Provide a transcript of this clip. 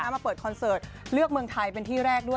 มาเปิดคอนเสิร์ตเลือกเมืองไทยเป็นที่แรกด้วย